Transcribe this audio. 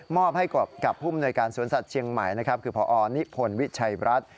มอบให้กับภูมิโดยการสวนสัตว์เชียงใหม่คือพนิพนธ์วิชัยรัฐ